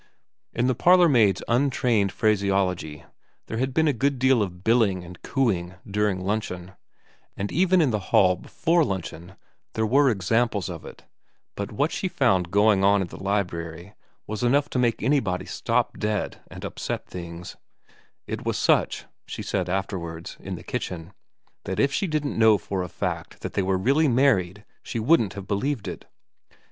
In the parlourmaid's untrained phraseology there had been a good deal of billing and cooing during luncheon, and even in the hall before luncheon there TVII VERA 193 were examples of it, but what she found going on in the library was enough to make anybody stop dead and upset things, it was such, she said afterwards in the kitchen, that if she didn't know for a fact that they were really married she wouldn't have believed it.